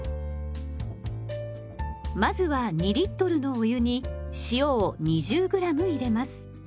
まずは２のお湯に塩を２０ｇ入れます。